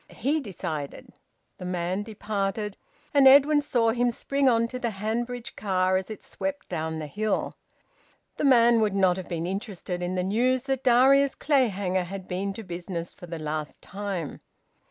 He decided. The man departed, and Edwin saw him spring on to the Hanbridge car as it swept down the hill. The man would not have been interested in the news that Darius Clayhanger had been to business for the last time.